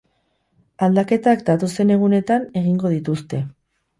Aldaketak datozen egunetan egingo dituzte.